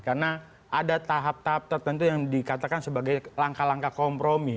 karena ada tahap tahap tertentu yang dikatakan sebagai langkah langkah kompromi